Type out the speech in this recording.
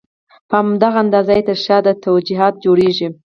په هماغه اندازه یې تر شا توجیهات جوړېږي.